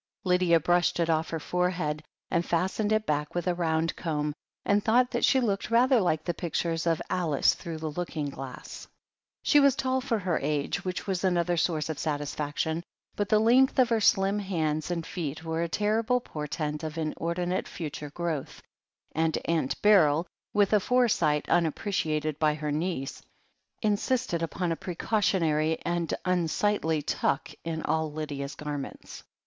Lydia brushed it off her forehead and fastened it back with a round comb, and thought that she looked rather like the pictures of "Alice Through the Looking Glass." 26 THE HEEL OF ACHILLES She was tall for her age, which was another source of satisfaction, but the length of her slim hands and feet were a terrible portent of inordinate future growth, and Aunt Beryl, with a foresight unappreciated by her niece, insisted upon a precautionary and tmsightly tuck in all Lydia's garments.